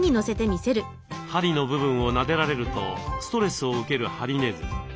針の部分をなでられるとストレスを受けるハリネズミ。